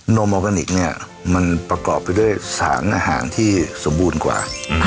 โมอร์แกนิคเนี่ยมันประกอบไปด้วยสารอาหารที่สมบูรณ์กว่า